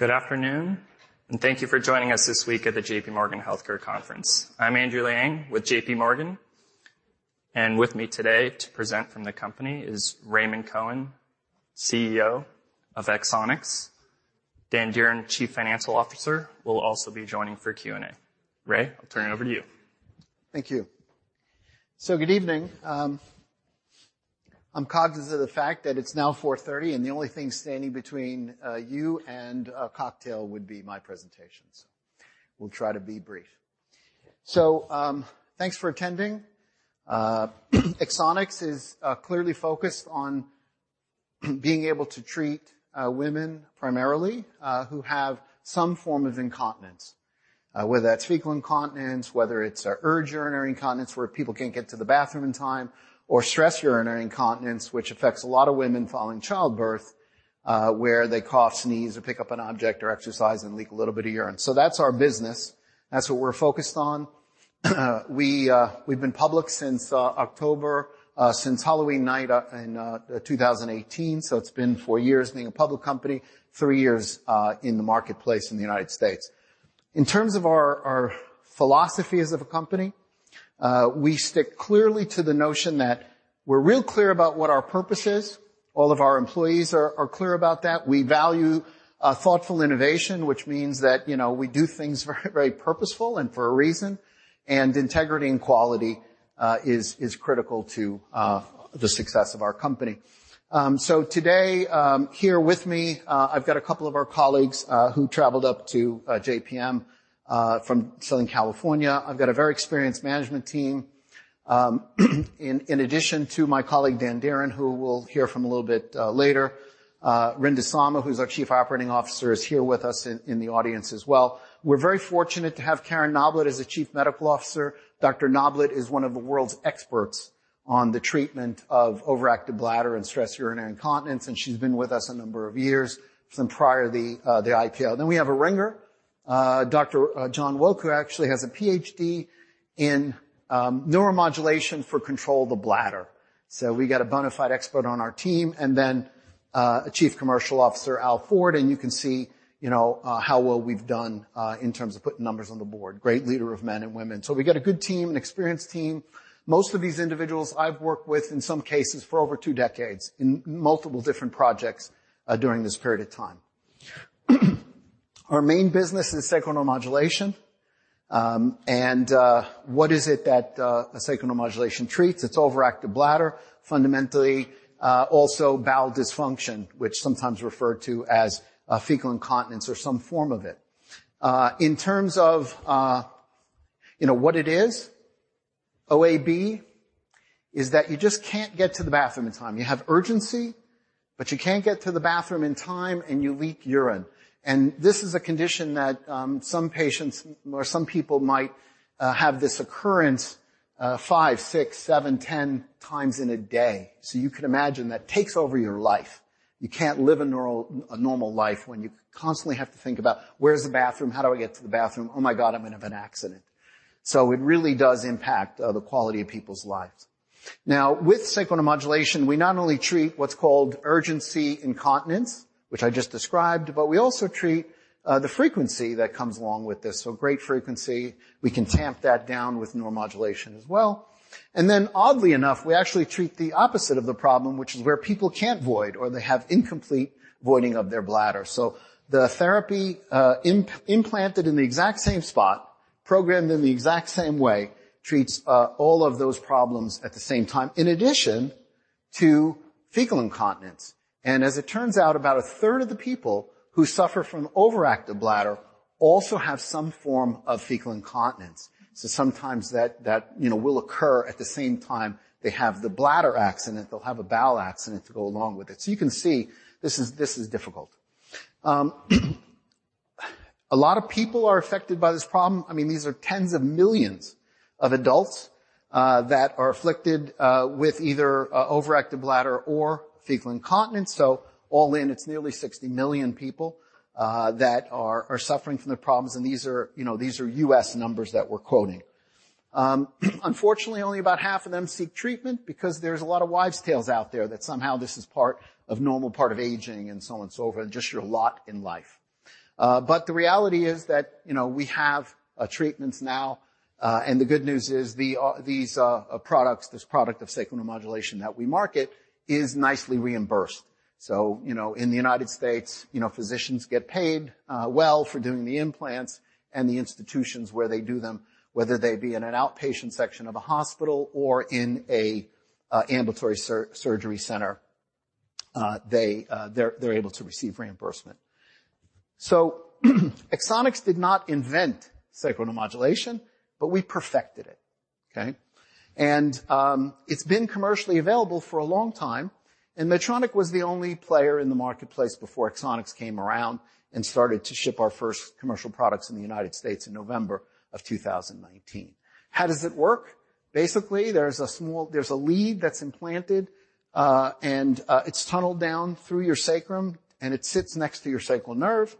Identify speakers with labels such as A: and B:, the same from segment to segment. A: Good afternoon, and thank you for joining us this week at the J.P. Morgan Healthcare Conference. I'm Andrew Liang with J.P. Morgan, and with me today to present from the company is Raymond Cohen, CEO of Axonics. Dan Dearen, Chief Financial Officer, will also be joining for Q&A. Ray, I'll turn it over to you.
B: Thank you. Good evening. I'm cognizant of the fact that it's now 4:30, and the only thing standing between you and a cocktail would be my presentation, so we'll try to be brief. Thanks for attending. Axonics is clearly focused on being able to treat women primarily who have some form of incontinence, whether that's fecal incontinence, whether it's urge urinary incontinence, where people can't get to the bathroom in time, or stress urinary incontinence, which affects a lot of women following childbirth, where they cough, sneeze or pick up an object or exercise and leak a little bit of urine. That's our business. That's what we're focused on. We've been public since October, since Halloween night in 2018. It's been four years being a public company, three years in the marketplace in the United States. In terms of our philosophy as of a company, we stick clearly to the notion that we're real clear about what our purpose is. All of our employees are clear about that. We value thoughtful innovation, which means that, you know, we do things very purposeful and for a reason, and integrity and quality is critical to the success of our company. Today, here with me, I've got a couple of our colleagues who traveled up to JPM from Southern California. I've got a very experienced management team. In addition to my colleague, Dan Dearen, who we'll hear from a little bit later. Rinda Sama, who's our Chief Operating Officer, is here with us in the audience as well. We're very fortunate to have Karen Noblett as the Chief Medical Officer. Dr. Noblett is one of the world's experts on the treatment of overactive bladder and stress urinary incontinence, and she's been with us a number of years from prior the IPO. We have a ringer, Dr. John Woock, who actually has a PhD in neuromodulation for control of the bladder. We got a bonafide expert on our team, and then a Chief Commercial Officer, Al Ford, and you can see, you know, how well we've done in terms of putting numbers on the board. Great leader of men and women. We got a good team, an experienced team. Most of these individuals I've worked with in some cases for over two decades in multiple different projects during this period of time. Our main business is sacral neuromodulation. And what is it that sacral neuromodulation treats? It's overactive bladder, fundamentally, also bowel dysfunction, which sometimes referred to as fecal incontinence or some form of it. In terms of, you know, what it is, OAB is that you just can't get to the bathroom in time. You have urgency, but you can't get to the bathroom in time, and you leak urine. This is a condition that some patients or some people might have this occurrence five, six, seven, 10 times in a day. You can imagine that takes over your life. You can't live a normal life when you constantly have to think about where's the bathroom, how do I get to the bathroom? Oh, my God, I'm gonna have an accident. It really does impact the quality of people's lives. Now, with sacral neuromodulation, we not only treat what's called urgency incontinence, which I just described, but we also treat the frequency that comes along with this. Great frequency, we can tamp that down with neuromodulation as well. Oddly enough, we actually treat the opposite of the problem, which is where people can't void or they have incomplete voiding of their bladder. The therapy, implanted in the exact same spot, programmed in the exact same way, treats all of those problems at the same time, in addition to fecal incontinence. As it turns out, about a third of the people who suffer from overactive bladder also have some form of fecal incontinence. Sometimes that, you know, will occur at the same time they have the bladder accident, they'll have a bowel accident to go along with it. You can see this is difficult. A lot of people are affected by this problem. I mean, these are tens of millions of adults that are afflicted with either overactive bladder or fecal incontinence. All in, it's nearly 60 million people that are suffering from the problems, and these are, you know, these are U.S. numbers that we're quoting. Unfortunately, only about half of them seek treatment because there's a lot of wives' tales out there that somehow this is part of normal part of aging and so on and so forth, and just your lot in life. The reality is that, you know, we have treatments now, and the good news is this product of sacral neuromodulation that we market is nicely reimbursed. You know, in the United States, you know, physicians get paid well for doing the implants and the institutions where they do them, whether they be in an outpatient section of a hospital or in an ambulatory surgery center, they're able to receive reimbursement. Axonics did not invent sacral neuromodulation, but we perfected it. Okay? It's been commercially available for a long time, and Medtronic was the only player in the marketplace before Axonics came around and started to ship our first commercial products in the United States in November of 2019. How does it work? Basically, there's a lead that's implanted, and it's tunneled down through your sacrum, and it sits next to your sacral nerve,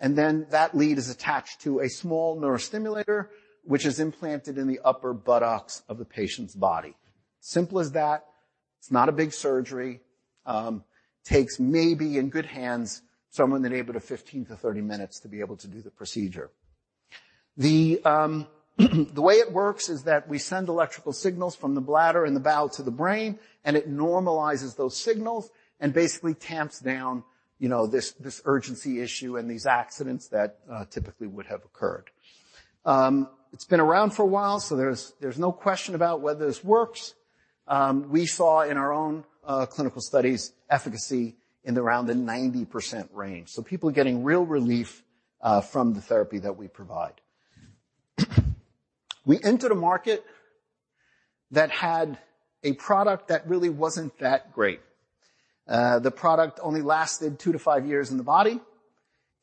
B: and then that lead is attached to a small neurostimulator, which is implanted in the upper buttocks of the patient's body. Simple as that. It's not a big surgery. Takes maybe in good hands, somewhere in the neighborhood of 15 to 30 minutes to be able to do the procedure. The way it works is that we send electrical signals from the bladder and the bowel to the brain, and it normalizes those signals and basically tamps down, you know, this urgency issue and these accidents that typically would have occurred. It's been around for a while, so there's no question about whether this works. We saw in our own clinical studies efficacy in around the 90% range. People are getting real relief from the therapy that we provide. We entered a market that had a product that really wasn't that great. The product only lasted two to five years in the body.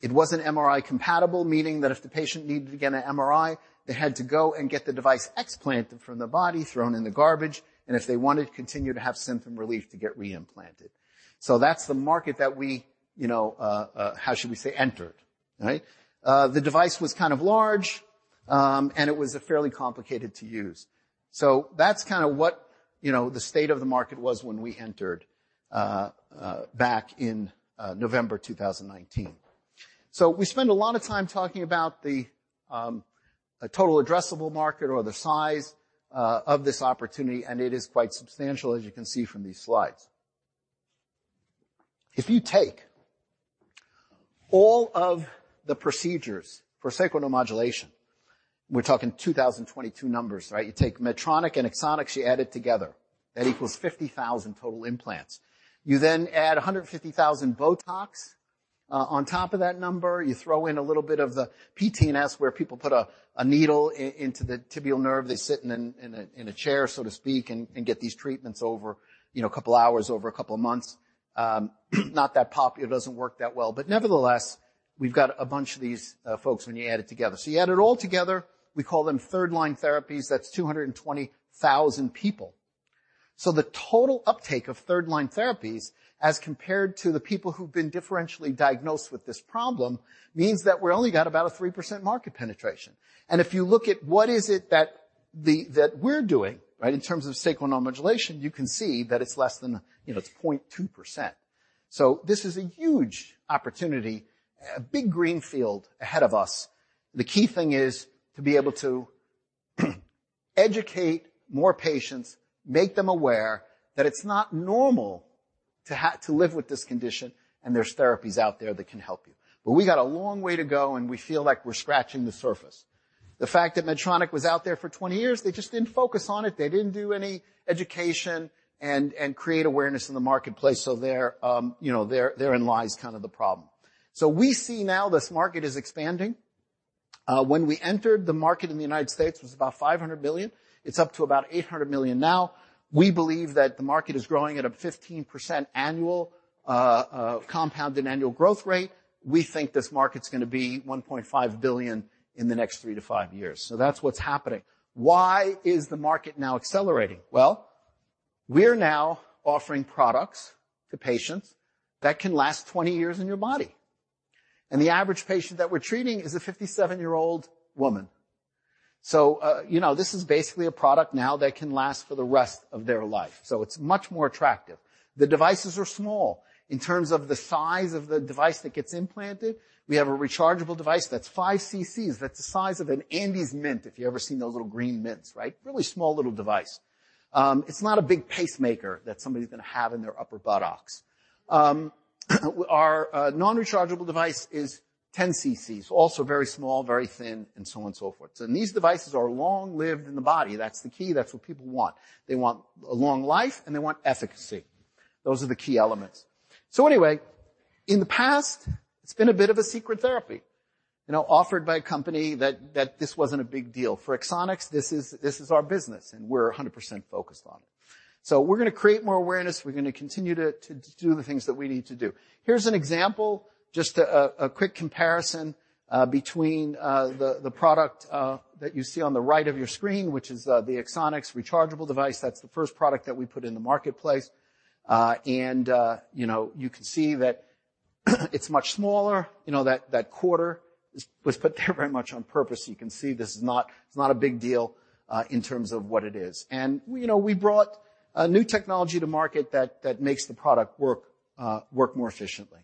B: It wasn't MRI compatible, meaning that if the patient needed to get an MRI, they had to go and get the device explanted from the body, thrown in the garbage, and if they wanted to continue to have symptom relief, to get reimplanted. That's the market that we, you know, how should we say, entered, right? The device was kind of large, and it was fairly complicated to use. That's kinda what, you know, the state of the market was when we entered back in November 2019. We spend a lot of time talking about the total addressable market or the size of this opportunity, and it is quite substantial, as you can see from these slides. If you take all of the procedures for sacral neuromodulation, we're talking 2022 numbers, right? You take Medtronic and Axonics, you add it together. That equals 50,000 total implants. You then add 150,000 BOTOX on top of that number. You throw in a little bit of the PTNS, where people put a needle into the tibial nerve. They sit in a chair, so to speak, and get these treatments over, you know, a couple hours, over a couple of months. Not that it doesn't work that well. Nevertheless, we've got a bunch of these folks when you add it together. You add it all together, we call them third-line therapies. That's 220,000 people. The total uptake of third-line therapies as compared to the people who've been differentially diagnosed with this problem means that we only got about a 3% market penetration. If you look at what is it that we're doing, right, in terms of sacral neuromodulation, you can see that it's less than, you know, it's 0.2%. This is a huge opportunity, a big green field ahead of us. The key thing is to be able to educate more patients, make them aware that it's not normal to live with this condition, and there's therapies out there that can help you. We got a long way to go, and we feel like we're scratching the surface. The fact that Medtronic was out there for 20 years, they just didn't focus on it. They didn't do any education and create awareness in the marketplace. There, you know, therein lies kind of the problem. We see now this market is expanding. When we entered, the market in the United States was about $500 billion. It's up to about $800 million now. We believe that the market is growing at a 15% annual compounded annual growth rate. We think this market's gonna be $1.5 billion in the next three to five years. That's what's happening. Why is the market now accelerating? We're now offering products to patients that can last 20 years in your body. The average patient that we're treating is a 57-year-old woman. You know, this is basically a product now that can last for the rest of their life, so it's much more attractive. The devices are small. In terms of the size of the device that gets implanted, we have a rechargeable device that's five cc's. That's the size of an Andes Mint, if you've ever seen those little green mints, right? Really small little device. It's not a big pacemaker that somebody's gonna have in their upper buttocks. Our non-rechargeable device is 10 cc's, also very small, very thin, and so on and so forth. These devices are long-lived in the body. That's the key. That's what people want. They want a long life, and they want efficacy. Those are the key elements. Anyway, in the past, it's been a bit of a secret therapy, you know, offered by a company that this wasn't a big deal. For Axonics, this is, this is our business, and we're 100% focused on it. We're gonna create more awareness. We're gonna continue to do the things that we need to do. Here's an example, just a quick comparison between the product that you see on the right of your screen, which is the Axonics rechargeable device. That's the first product that we put in the marketplace. You know, you can see that it's much smaller. You know, that quarter was put there very much on purpose. You can see it's not a big deal in terms of what it is. You know, we brought a new technology to market that makes the product work more efficiently.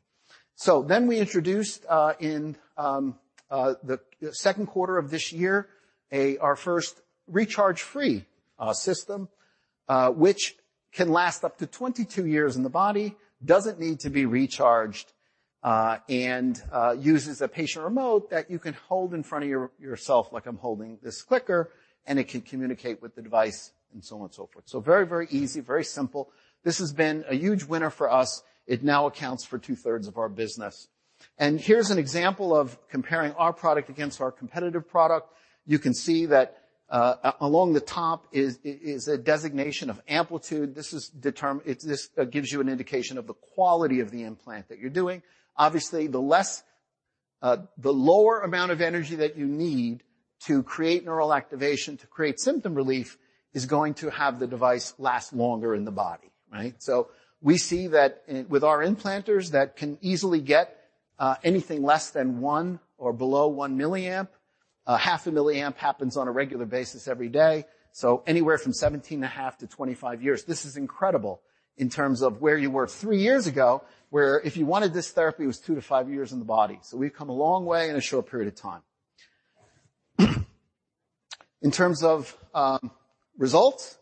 B: We introduced in the Q2 of this year, our first recharge-free system, which can last up to 22 years in the body, doesn't need to be recharged, and uses a patient remote that you can hold in front of yourself like I'm holding this clicker, and it can communicate with the device and so on and so forth. Very, very easy. Very simple. This has been a huge winner for us. It now accounts for two-thirds of our business. Here's an example of comparing our product against our competitive product. You can see that along the top is a designation of amplitude. This gives you an indication of the quality of the implant that you're doing. Obviously, the less, the lower amount of energy that you need to create neural activation to create symptom relief is going to have the device last longer in the body, right? We see that with our implanters that can easily get anything less than one or below one milliamp. A half a milliamp happens on a regular basis every day, anywhere from 17.5-25 years. This is incredible in terms of where you were three years ago, where if you wanted this therapy, it was two to five years in the body. We've come a long way in a short period of time. In terms of results,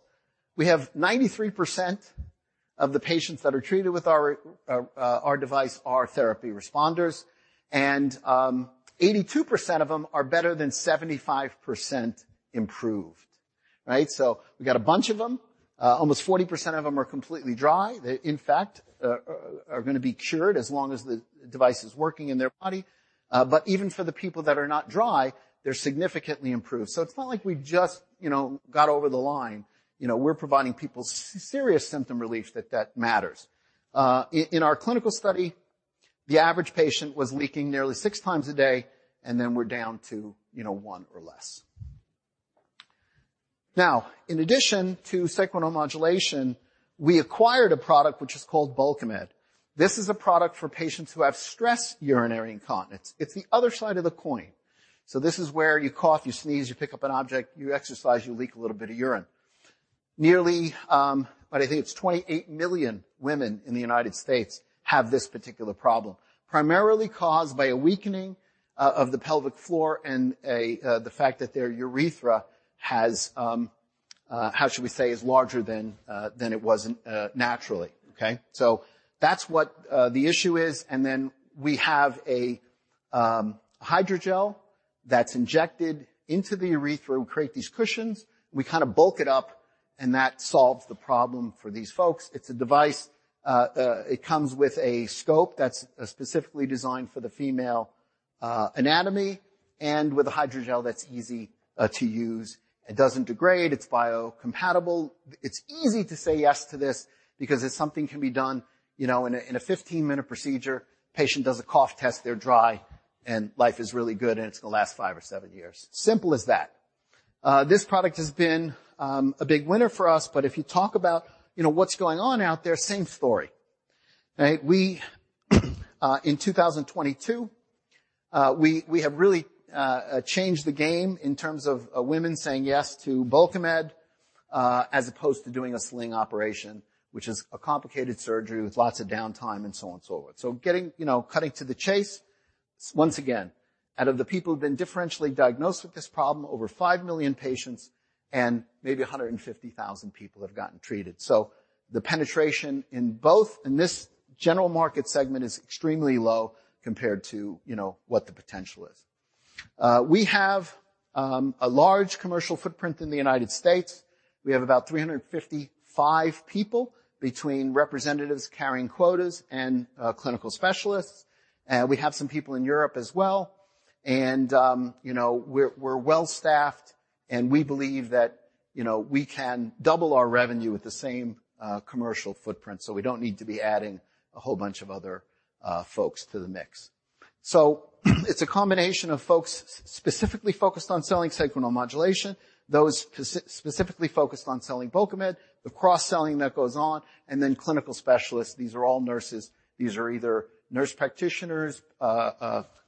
B: we have 93% of the patients that are treated with our device are therapy responders, and 82% of them are better than 75% improved, right? We got a bunch of them. Almost 40% of them are completely dry. They, in fact, are gonna be cured as long as the device is working in their body. Even for the people that are not dry, they're significantly improved. It's not like we just, you know, got over the line. You know, we're providing people serious symptom relief that matters. In our clinical study, the average patient was leaking nearly six times a day, and then we're down to, you know, one or less. Now, in addition to Sacral Neuromodulation, we acquired a product which is called Bulkamid. This is a product for patients who have stress urinary incontinence. It's the other side of the coin. This is where you cough, you sneeze, you pick up an object, you exercise, you leak a little bit of urine. Nearly, but I think it's 28 million women in the United States have this particular problem, primarily caused by a weakening of the pelvic floor and the fact that their urethra has, how should we say, is larger than it was naturally. Okay? That's what the issue is, and then we have a hydrogel that's injected into the urethra, we create these cushions, we kind of bulk it up, and that solves the problem for these folks. It's a device. It comes with a scope that's specifically designed for the female anatomy and with a hydrogel that's easy to use. It doesn't degrade. It's biocompatible. It's easy to say yes to this because it's something can be done, you know, in a 15-minute procedure. Patient does a cough test, they're dry, and life is really good, and it's gonna last five or seven years. Simple as that. This product has been a big winner for us, but if you talk about, you know, what's going on out there, same story. Right? We in 2022, we have really changed the game in terms of women saying yes to Bulkamid as opposed to doing a sling operation, which is a complicated surgery with lots of downtime and so on and so forth. You know, cutting to the chase, once again, out of the people who've been differentially diagnosed with this problem, over five million patients and maybe 150,000 people have gotten treated. The penetration in both, in this general market segment is extremely low compared to, you know, what the potential is. We have a large commercial footprint in the United States. We have about 355 people between representatives carrying quotas and clinical specialists. We have some people in Europe as well, and, you know, we're well-staffed, and we believe that, you know, we can double our revenue with the same commercial footprint, so we don't need to be adding a whole bunch of other folks to the mix. It's a combination of folks specifically focused on selling Sacral Neuromodulation, those specifically focused on selling Bulkamid, the cross-selling that goes on, and then clinical specialists. These are all nurses. These are either nurse practitioners,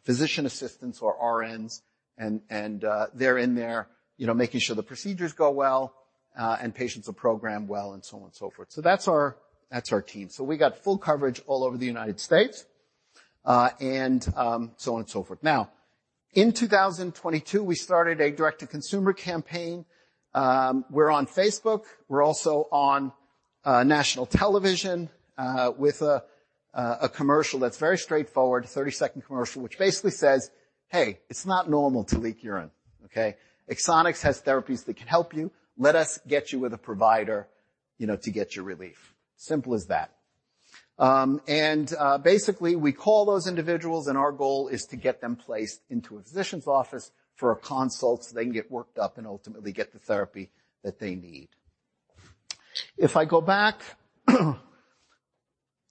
B: physician assistants or RNs and they're in there, you know, making sure the procedures go well and patients are programmed well and so on and so forth. That's our team. We got full coverage all over the United States and so on and so forth. In 2022, we started a direct-to-consumer campaign. We're on Facebook. We're also on national television with a commercial that's very straightforward, a 30-second commercial which basically says, "Hey, it's not normal to leak urine." Okay? Axonics has therapies that can help you. Let us get you with a provider, you know, to get you relief. Simple as that. Basically, we call those individuals, and our goal is to get them placed into a physician's office for a consult so they can get worked up and ultimately get the therapy that they need. If I go back,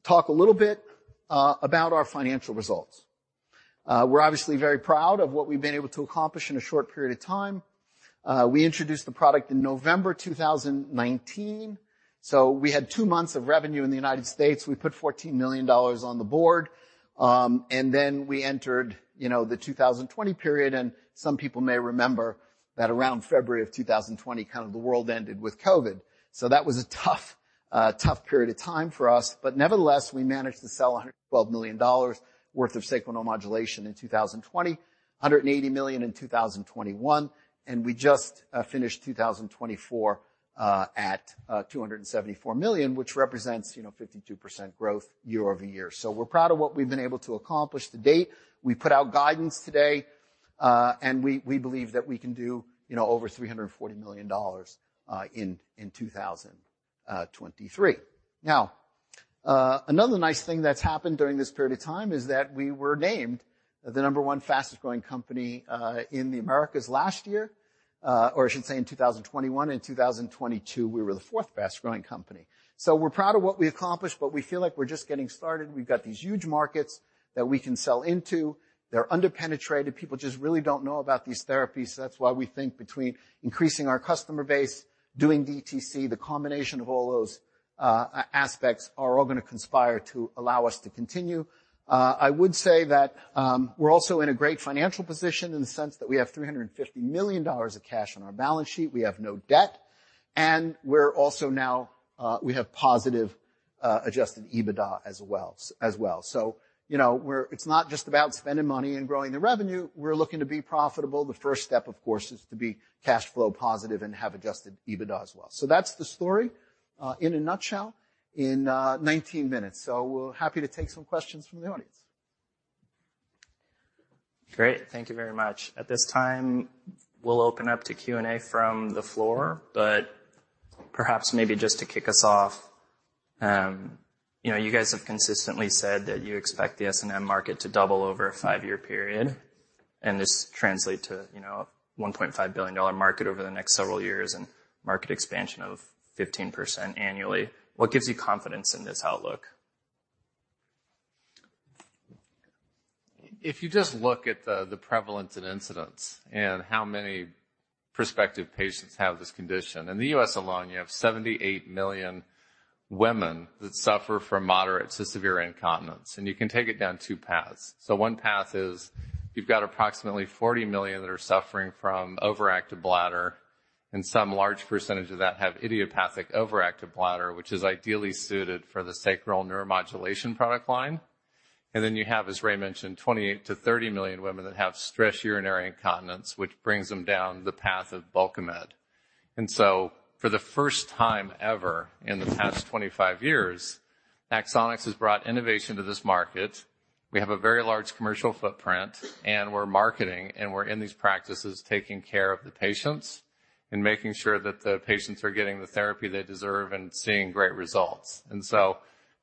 B: talk a little bit about our financial results. We're obviously very proud of what we've been able to accomplish in a short period of time. We introduced the product in November 2019, so we had two months of revenue in the United States. We put $14 million on the board, then we entered, you know, the 2020 period, some people may remember that around February 2020, kind of the world ended with COVID. That was a tough period of time for us, but nevertheless, we managed to sell $112 million worth of sacral neuromodulation in 2020, $180 million in 2021, and we just finished 2024 at $274 million, which represents, you know, 52% growth year-over-year. We're proud of what we've been able to accomplish to date. We put out guidance today, and we believe that we can do, you know, over $340 million in 2023. Another nice thing that's happened during this period of time is that we were named the number one fastest growing company in the Americas last year, or I should say in 2021. In 2022, we were the fourth fastest growing company. We're proud of what we accomplished, but we feel like we're just getting started. We've got these huge markets that we can sell into. They're under-penetrated. People just really don't know about these therapies. That's why we think between increasing our customer base, doing DTC, the combination of all those aspects are all gonna conspire to allow us to continue. I would say that we're also in a great financial position in the sense that we have $350 million of cash on our balance sheet. We have no debt, and we're also now we have positive adjusted EBITDA as well. You know, we're it's not just about spending money and growing the revenue. We're looking to be profitable. The first step, of course, is to be cash flow positive and have adjusted EBITDA as well. That's the story in a nutshell in 19 minutes. We're happy to take some questions from the audience.
A: Great. Thank you very much. At this time, we'll open up to Q&A from the floor, but perhaps maybe just to kick us off, you know, you guys have consistently said that you expect the S&M market to double over a five-year period, and this translate to, you know, a $1.5 billion market over the next several years and market expansion of 15% annually. What gives you confidence in this outlook?
C: If you just look at the prevalence and incidents and how many prospective patients have this condition. In the U.S. alone, you have 78 million women that suffer from moderate to severe incontinence, and you can take it down two paths. One path is you've got approximately 40 million that are suffering from overactive bladder, and some large percentage of that have idiopathic overactive bladder, which is ideally suited for the sacral neuromodulation product line. You have, as Ray mentioned, 28 million-30 million women that have stress urinary incontinence, which brings them down the path of Bulkamid. For the first time ever in the past 25 years, Axonics has brought innovation to this market. We have a very large commercial footprint, and we're marketing, and we're in these practices taking care of the patients and making sure that the patients are getting the therapy they deserve and seeing great results.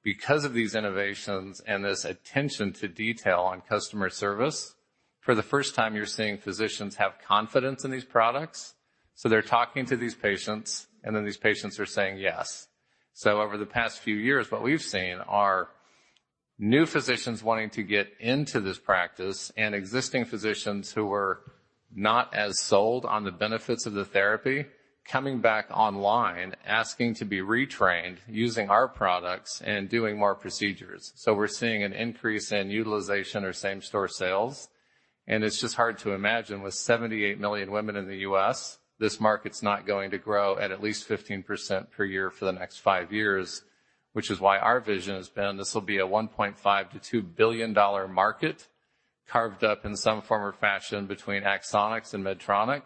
C: Because of these innovations and this attention to detail on customer service, for the first time you're seeing physicians have confidence in these products. They're talking to these patients, and then these patients are saying yes. Over the past few years, what we've seen are new physicians wanting to get into this practice and existing physicians who were not as sold on the benefits of the therapy coming back online, asking to be retrained using our products and doing more procedures. We're seeing an increase in utilization or same-store sales. It's just hard to imagine with 78 million women in the U.S., this market's not going to grow at least 15% per year for the next five years, which is why our vision has been this will be a $1.5 billion-$2 billion market carved up in some form or fashion between Axonics and Medtronic.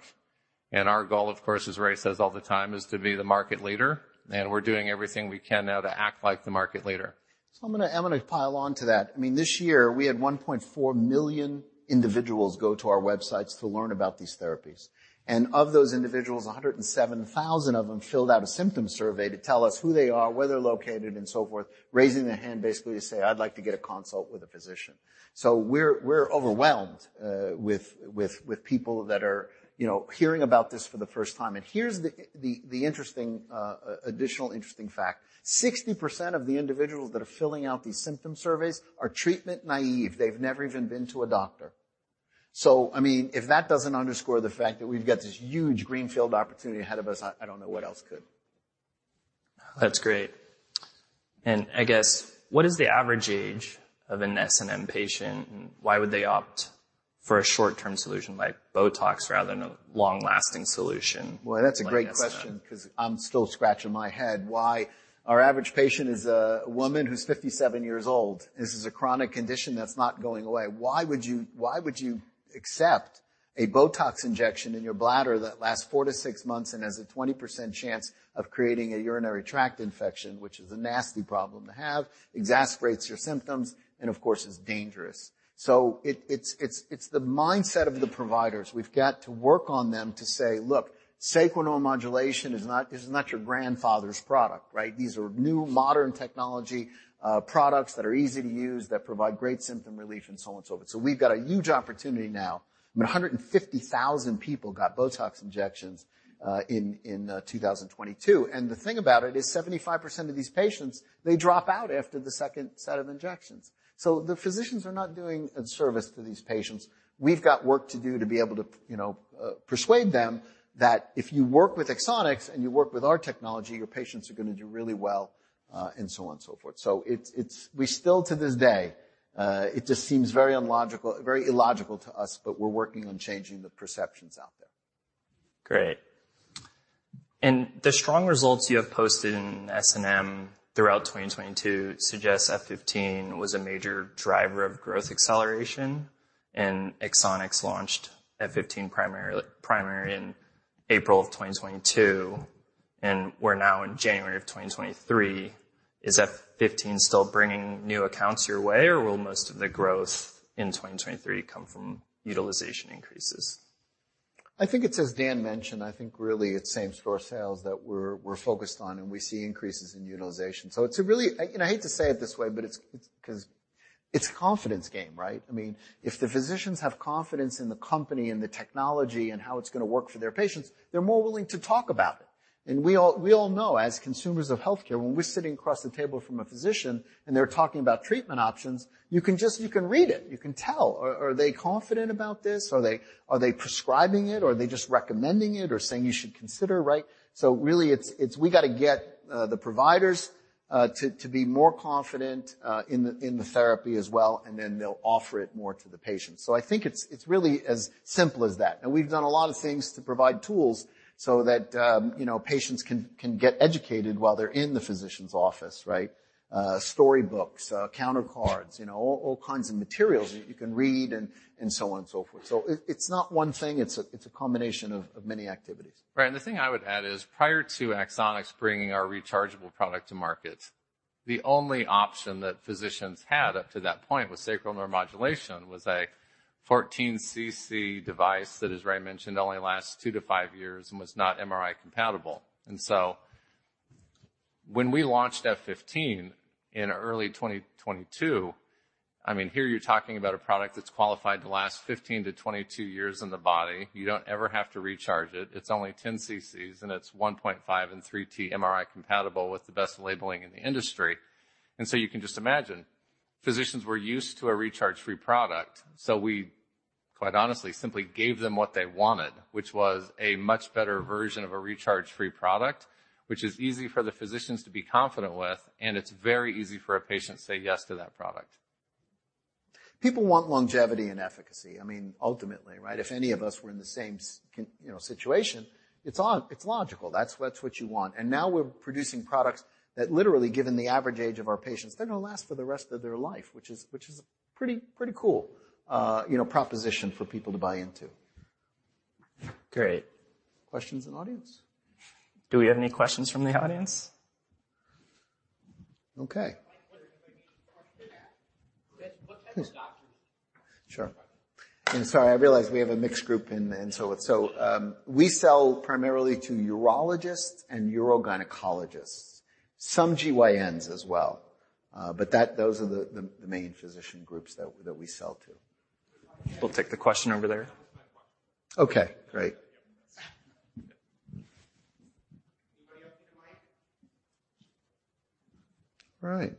C: Our goal, of course, as Ray says all the time, is to be the market leader. We're doing everything we can now to act like the market leader.
B: I'm gonna pile on to that. I mean, this year we had 1.4 million individuals go to our websites to learn about these therapies. Of those individuals, 107,000 of them filled out a symptom survey to tell us who they are, where they're located, and so forth, raising their hand basically to say, "I'd like to get a consult with a physician." We're overwhelmed with people that are, you know, hearing about this for the first time. Here's the additional interesting fact. 60% of the individuals that are filling out these symptom surveys are treatment naive. They've never even been to a doctor. I mean, if that doesn't underscore the fact that we've got this huge greenfield opportunity ahead of us, I don't know what else could.
A: That's great. I guess what is the average age of an S&M patient, and why would they opt for a short-term solution like BOTOX rather than a long-lasting solution?
B: That's a great question 'cause I'm still scratching my head why... Our average patient is a woman who's 57 years old. This is a chronic condition that's not going away. Why would you, why would you accept a BOTOX injection in your bladder that lasts four to six months and has a 20% chance of creating a urinary tract infection, which is a nasty problem to have, exasperates your symptoms, and of course is dangerous? It's the mindset of the providers. We've got to work on them to say, "Look, sacral neuromodulation is not your grandfather's product, right? These are new modern technology products that are easy to use, that provide great symptom relief, and so on and so forth. We've got a huge opportunity now. I mean, 150,000 people got BOTOX injections, in 2022, and the thing about it is 75% of these patients, they drop out after the second set of injections. The physicians are not doing a service to these patients. We've got work to do to be able to you know, persuade them that if you work with Axonics and you work with our technology, your patients are gonna do really well, and so on and so forth. It's, we still to this day, it just seems very illogical to us, but we're working on changing the perceptions out there.
A: Great. The strong results you have posted in S&M throughout 2022 suggests F15 was a major driver of growth acceleration, and Axonics launched F15 primary in April of 2022, and we're now in January of 2023. Is F15 still bringing new accounts your way, or will most of the growth in 2023 come from utilization increases?
B: I think it's as Dan mentioned. I think really it's same store sales that we're focused on. We see increases in utilization. It's a really. I hate to say it this way, but because it's confidence game, right? I mean, if the physicians have confidence in the company and the technology and how it's gonna work for their patients, they're more willing to talk about it. We all know as consumers of healthcare, when we're sitting across the table from a physician, and they're talking about treatment options, you can read it. You can tell. Are they confident about this? Are they prescribing it, or are they just recommending it or saying you should consider, right? so really its -- we gotta get the providers to be more confident in the therapy as well, and then they'll offer it more to the patient. I think it's really as simple as that. And we've done a lot of things to provide tools so that, you know, patients can get educated while they're in the physician's office, right? Storybooks, counter cards, you know, all kinds of materials you can read and so on and so forth. It's not one thing, it's a combination of many activities
C: Right. The thing I would add is prior to Axonics bringing our rechargeable product to market, the only option that physicians had up to that point with sacral neuromodulation was a 14 cc device that, as Ray mentioned, only lasts 2-5 years and was not MRI compatible. When we launched Axonics F15 in early 2022, I mean, here you're talking about a product that's qualified to last 15-22 years in the body. You don't ever have to recharge it. It's only 10 cc's, and it's 1.5T and 3T MRI compatible with the best labeling in the industry. You can just imagine, physicians were used to a recharge-free product. We, quite honestly, simply gave them what they wanted, which was a much better version of a recharge-free product, which is easy for the physicians to be confident with, and it's very easy for a patient to say yes to that product.
B: People want longevity and efficacy. I mean, ultimately, right? If any of us were in the same you know, situation, it's logical. That's what you want. Now we're producing products that literally, given the average age of our patients, they're gonna last for the rest of their life, which is pretty cool, you know, proposition for people to buy into.
A: Great.
B: Questions in audience?
C: Do we have any questions from the audience?
B: Okay. Sure. I'm sorry. I realize we have a mixed group and so it's. We sell primarily to urologists and urogynecologists. Some GYNs as well. Those are the main physician groups that we sell to.
C: We'll take the question over there. That was my question.
B: Okay, great.
C: Yep.
A: Anybody else with a mic?
B: All right.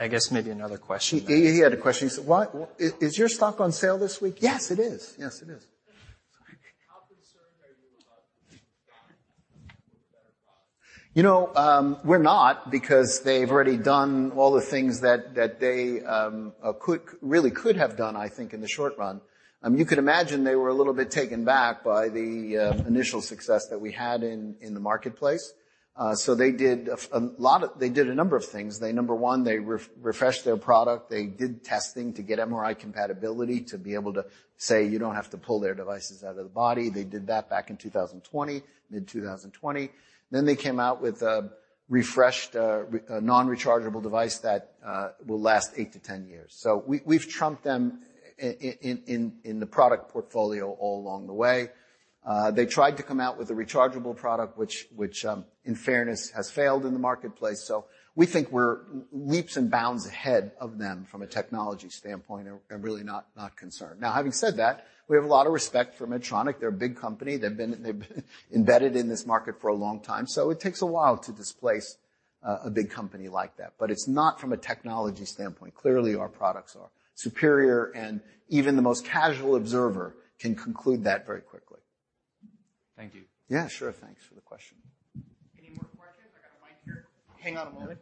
C: I guess maybe another question.
B: He had a question. He said, "Is your stock on sale this week?" Yes, it is. Yes, it is.
D: How concerned are you about better products?
B: You know, we're not because they've already done all the things that they really could have done, I think, in the short run. You could imagine they were a little bit taken back by the initial success that we had in the marketplace. They did a number of things. They, number one, they refreshed their product. They did testing to get MRI compatibility to be able to say, you don't have to pull their devices out of the body. They did that back in 2020, mid-2020. They came out with a refreshed, a non-rechargeable device that will last eight to 10 years. We've trumped them in the product portfolio all along the way. They tried to come out with a rechargeable product, which in fairness, has failed in the marketplace. We think we're leaps and bounds ahead of them from a technology standpoint and really not concerned. Now, having said that, we have a lot of respect for Medtronic. They're a big company. They've been embedded in this market for a long time. It takes a while to displace a big company like that. It's not from a technology standpoint. Clearly, our products are superior, and even the most casual observer can conclude that very quickly.
D: Thank you.
B: Yeah, sure. Thanks for the question.
A: Any more questions? I got a mic here.
B: Hang on a moment.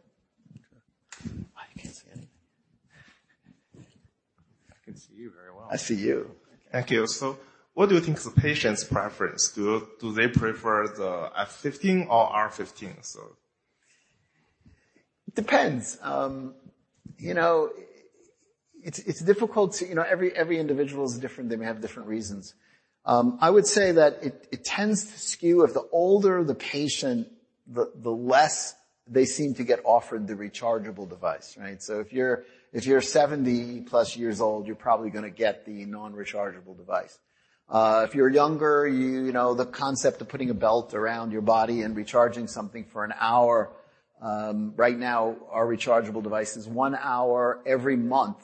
C: I can't see anything. I can see you very well.
B: I see you.
D: Thank you. What do you think is the patient's preference? Do they prefer the F15 or R15 or so?
B: Depends. You know, it's difficult to. Every individual is different. They may have different reasons. I would say that it tends to skew if the older the patient, the less they seem to get offered the rechargeable device, right? If you're 70-plus years old, you're probably gonna get the non-rechargeable device. If you're younger, you know, the concept of putting a belt around your body and recharging something for an hour... Right now, our rechargeable device is 1 hour every month.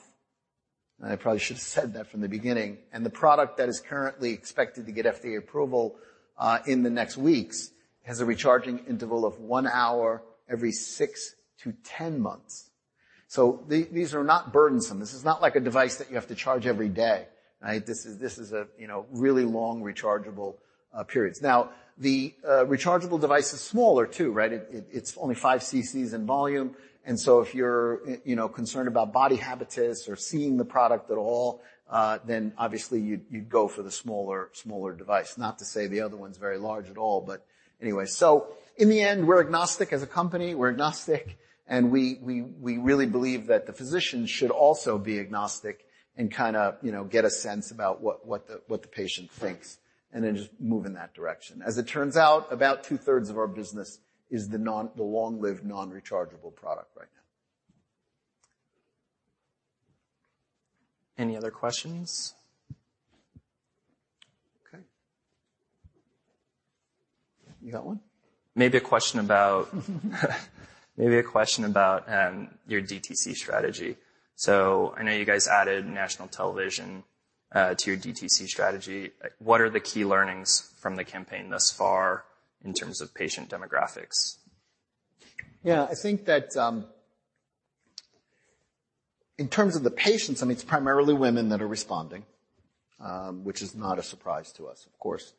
B: I probably should have said that from the beginning. The product that is currently expected to get FDA approval, in the next weeks has a recharging interval of 1 hour every 6-10 months. These are not burdensome. This is not like a device that you have to charge every day, right? This is a, you know, really long rechargeable periods. The rechargeable device is smaller, too, right? It's only five cc's in volume. If you're, you know, concerned about body habitus or seeing the product at all, then obviously you'd go for the smaller device. Not to say the other one's very large at all, but anyway. In the end, we're agnostic as a company. We're agnostic, and we really believe that the physician should also be agnostic and kinda, you know, get a sense about what the patient thinks and then just move in that direction. As it turns out, about 2/3 of our business is the long-lived, non-rechargeable product right now.
C: Any other questions?
B: Okay. You got one?
D: Maybe a question about your DTC strategy. I know you guys added national television to your DTC strategy. What are the key learnings from the campaign thus far in terms of patient demographics?
B: I think that in terms of the patients, I mean, it's primarily women that are responding, which is not a surprise to us, of course.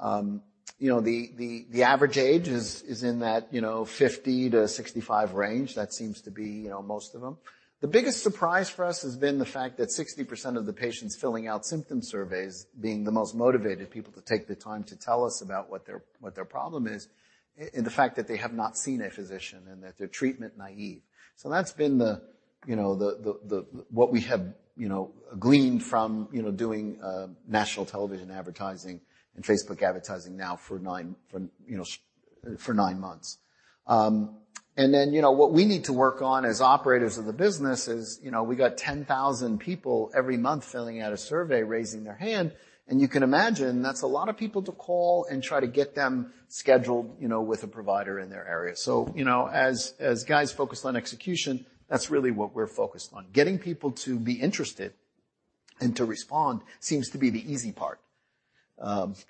B: The average age is in that 50-65 range. That seems to be, you know, most of them. The biggest surprise for us has been the fact that 60% of the patients filling out symptom surveys being the most motivated people to take the time to tell us about what their problem is in the fact that they have not seen a physician and that they're treatment naive. That's been the, you know, what we have, you know, gleaned from, you know, doing national television advertising and Facebook advertising now for 9 months. You know, what we need to work on as operators of the business is, you know, we got 10,000 people every month filling out a survey, raising their hand, and you can imagine that's a lot of people to call and try to get them scheduled, you know, with a provider in their area. You know, as guys focused on execution, that's really what we're focused on. Getting people to be interested and to respond seems to be the easy part.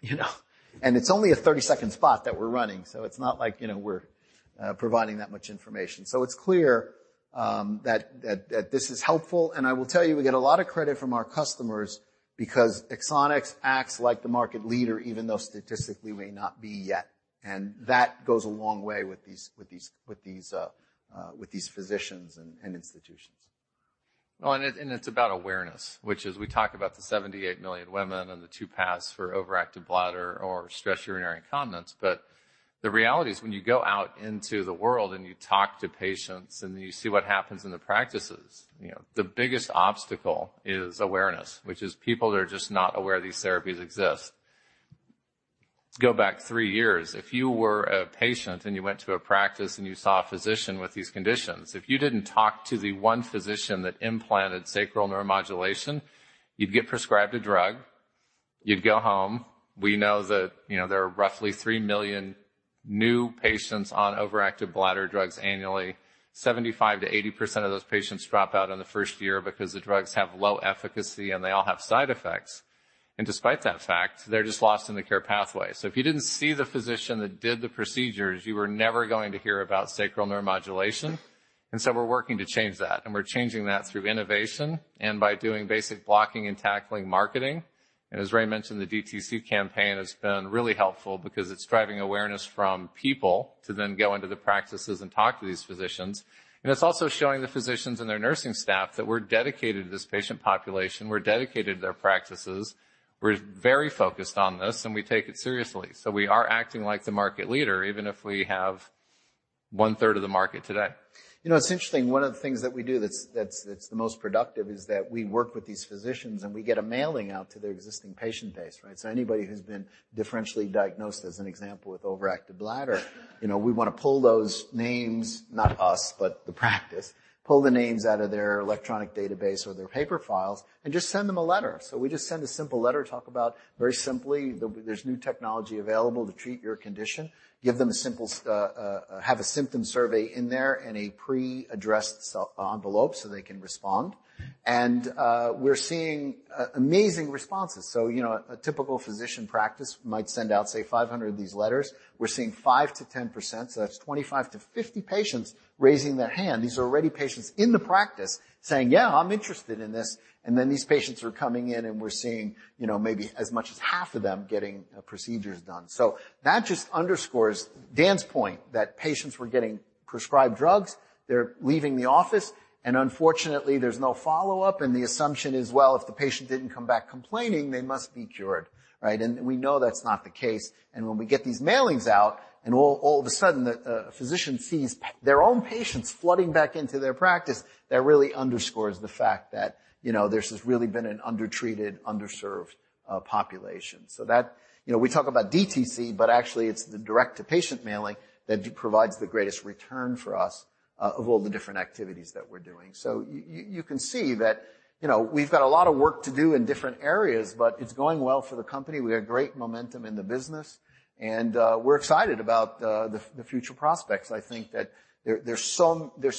B: You know. It's only a 30-second spot that we're running, so it's not like, you know, we're providing that much information. It's clear that this is helpful, and I will tell you we get a lot of credit from our customers because Axonics acts like the market leader, even though statistically we may not be yet. That goes a long way with these physicians and institutions.
C: It's about awareness, which is we talk about the 78 million women and the two paths for overactive bladder or stress urinary incontinence. The reality is when you go out into the world and you talk to patients, and then you see what happens in the practices, you know, the biggest obstacle is awareness, which is people are just not aware these therapies exist. Go back three years. If you were a patient, you went to a practice, you saw a physician with these conditions, if you didn't talk to the one physician that implanted sacral neuromodulation, you'd get prescribed a drug, you'd go home. We know that, you know, there are roughly three million new patients on overactive bladder drugs annually. 75%-80% of those patients drop out in the first year because the drugs have low efficacy, and they all have side effects. Despite that fact, they're just lost in the care pathway. If you didn't see the physician that did the procedures, you were never going to hear about sacral neuromodulation. We're working to change that, and we're changing that through innovation and by doing basic blocking and tackling marketing. As Ray mentioned, the DTC campaign has been really helpful because it's driving awareness from people to then go into the practices and talk to these physicians. It's also showing the physicians and their nursing staff that we're dedicated to this patient population, we're dedicated to their practices, we're very focused on this, and we take it seriously. We are acting like the market leader, even if we have 1/3 of the market today.
B: You know, it's interesting. One of the things that we do that's the most productive is that we work with these physicians, we get a mailing out to their existing patient base, right? Anybody who's been differentially diagnosed, as an example, with overactive bladder, you know, we wanna pull those names, not us, but the practice, pull the names out of their electronic database or their paper files and just send them a letter. We just send a simple letter, talk about very simply there's new technology available to treat your condition, give them a have a symptom survey in there and a pre-addressed envelope, so they can respond. We're seeing amazing responses. You know, a typical physician practice might send out, say, 500 of these letters. We're seeing 5%-10%, so that's 25-50 patients raising their hand. These are already patients in the practice saying, "Yeah, I'm interested in this." These patients are coming in, and we're seeing, you know, maybe as much as half of them getting procedures done. That just underscores Dan's point that patients were getting prescribed drugs. They're leaving the office, and unfortunately, there's no follow-up, and the assumption is, well, if the patient didn't come back complaining, they must be cured, right? We know that's not the case. When we get these mailings out and all of a sudden the physician sees their own patients flooding back into their practice, that really underscores the fact that, you know, this has really been an undertreated, underserved population. That... You know, we talk about DTC, but actually, it's the direct-to-patient mailing that provides the greatest return for us of all the different activities that we're doing. You can see that, you know, we've got a lot of work to do in different areas, but it's going well for the company. We have great momentum in the business, and we're excited about the future prospects. I think that there's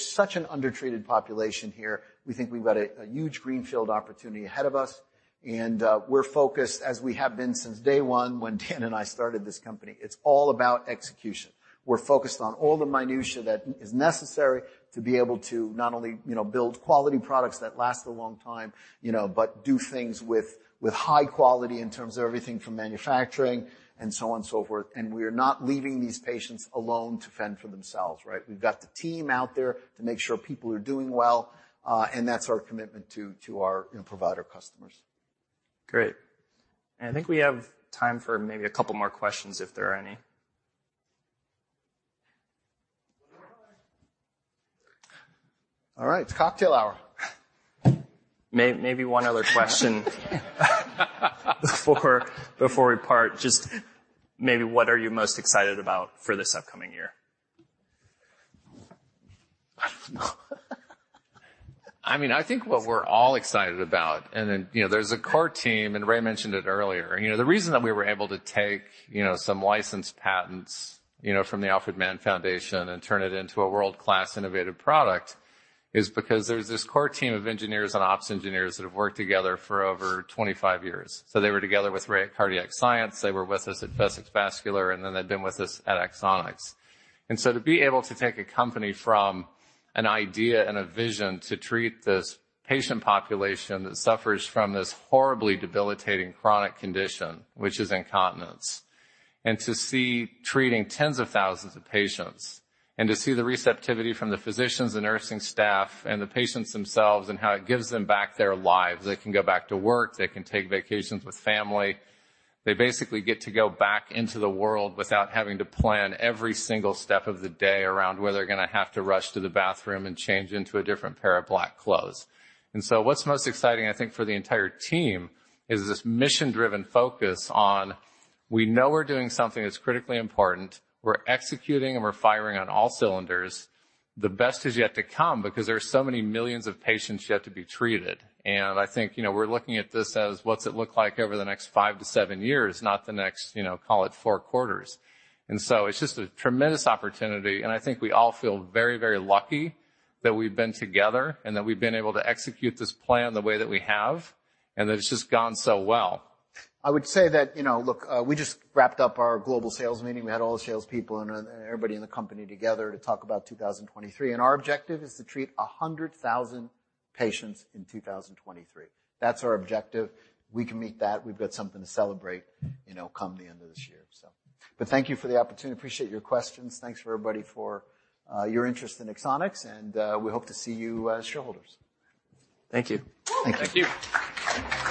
B: such an undertreated population here. We think we've got a huge greenfield opportunity ahead of us, and we're focused as we have been since day one when Dan and I started this company. It's all about execution. We're focused on all the minutiae that is necessary to be able to not only, you know, build quality products that last a long time, you know, but do things with high quality in terms of everything from manufacturing and so on and so forth. We're not leaving these patients alone to fend for themselves, right? We've got the team out there to make sure people are doing well. That's our commitment to our, you know, provider customers.
A: Great. I think we have time for maybe a couple more questions, if there are any.
B: All right. It's cocktail hour.
A: May, maybe one other question before we part. Just maybe what are you most excited about for this upcoming year?
B: I don't know.
C: I mean, I think what we're all excited about. You know, there's a core team, and Ray mentioned it earlier. You know, the reason that we were able to take, you know, some licensed patents, you know, from the Alfred Mann Foundation and turn it into a world-class innovative product is because there's this core team of engineers and ops engineers that have worked together for over 25 years. They were together with Ray at Cardiac Science. They were with us at Vessix Vascular. They've been with us at Axonics. To be able to take a company from an idea and a vision to treat this patient population that suffers from this horribly debilitating chronic condition, which is incontinence, and to see treating tens of thousands of patients and to see the receptivity from the physicians, the nursing staff, and the patients themselves, and how it gives them back their lives. They can go back to work. They can take vacations with family. They basically get to go back into the world without having to plan every single step of the day around where they're gonna have to rush to the bathroom and change into a different pair of black clothes. What's most exciting, I think, for the entire team is this mission-driven focus on we know we're doing something that's critically important. We're executing, and we're firing on all cylinders. The best is yet to come because there are so many millions of patients yet to be treated. I think, you know, we're looking at this as what's it look like over the next five to seven years, not the next, you know, call it four quarters. It's just a tremendous opportunity, and I think we all feel very, very lucky that we've been together and that we've been able to execute this plan the way that we have, and that it's just gone so well.
B: I would say that, you know, look, we just wrapped up our global sales meeting. We had all the salespeople and everybody in the company together to talk about 2023. Our objective is to treat 100,000 patients in 2023. That's our objective. We can meet that. We've got something to celebrate, you know, come the end of this year. Thank you for the opportunity. Appreciate your questions. Thanks for everybody for your interest in Axonics. We hope to see you as shareholders.
A: Thank you.
B: Thank you.
C: Thank you.